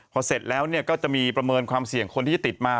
พอเสร็จแล้วก็จะมีประเมินความเสี่ยงคนที่จะติดมา